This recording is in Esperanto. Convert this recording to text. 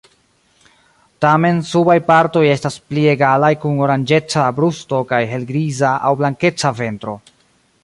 Tamen subaj partoj estas pli egalaj kun oranĝeca brusto kaj helgriza aŭ blankeca ventro.